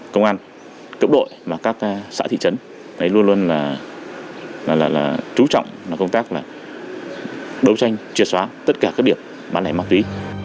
công an cộng đội và các xã thị trấn luôn luôn trú trọng công tác đấu tranh triệt phá tất cả các địa bàn bán lẻ ma túi